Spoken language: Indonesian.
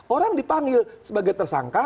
orang dipanggil sebagai tersangka